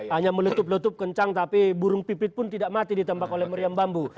hanya menutup lutup kencang tapi burung pipit pun tidak mati ditembak oleh meriam bambu